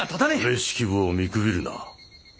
安部式部を見くびるな。